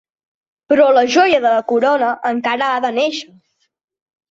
Però la joia de la corona encara ha de néixer.